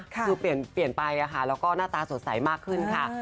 คือเปลี่ยนไปแล้วก็หน้าตาสดใสมากขึ้นค่ะ